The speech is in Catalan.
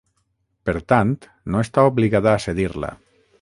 Per tant, no està obligada a cedir-la.